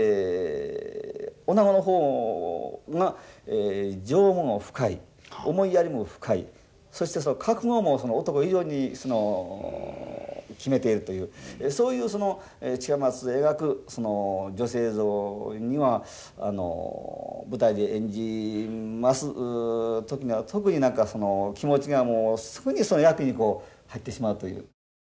おなごの方が情も深い思いやりも深いそして覚悟も男以上に決めているというそういうその近松が描く女性像には舞台で演じます時には特に何かその気持ちがもうすぐにその役にこう入ってしまうという。